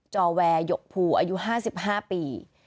จอแวร์หยกภูอายุ๕๕ปี